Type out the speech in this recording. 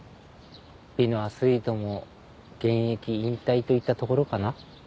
美のアスリートも現役引退といったところかな。